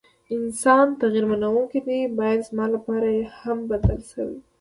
انسان تغير منونکي ده ، بايد زما لپاره هم بدله شوې ،